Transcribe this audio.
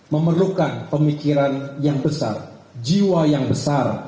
memerlukan pemikiran yang besar jiwa yang besar